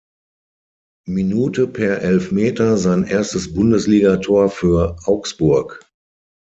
Minute per Elfmeter sein erstes Bundesligator für Augsburg.